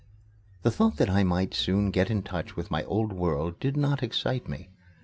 The thought that I might soon get in touch with my old world did not excite me.